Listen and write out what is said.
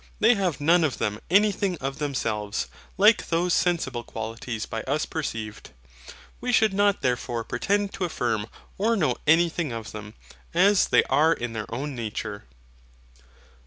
They have none of them anything of themselves, like those sensible qualities by us perceived. We should not therefore pretend to affirm or know anything of them, as they are in their own nature.